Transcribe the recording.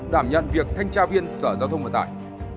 đảm nhận việc thanh tra viên sở giao thông vận tải